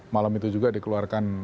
malam itu juga dikeluarkan